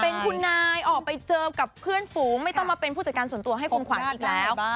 เป็นคุณนายออกไปเจอกับเพื่อนฝูงไม่ต้องมาเป็นผู้จัดการส่วนตัวให้คุณขวัญอีกแล้ว